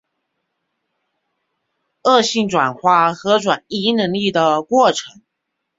恶性转化和转移能力的过程。